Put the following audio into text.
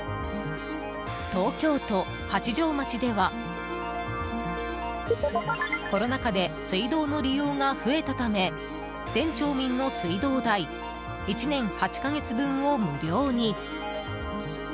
東京都八丈町では、コロナ禍で水道の利用が増えたため全町民の水道代１年８か月分を無料に。